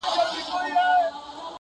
د جهاني غزل د شمعي په څېر ژبه لري-